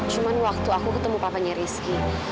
cuman waktu aku ketemu kakaknya rizky